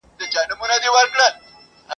که یې عقل او قوت وي د زمریانو ..